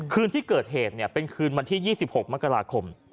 คืนที่เกิดเหตุเป็นคืนวันที่๒๖มกราคม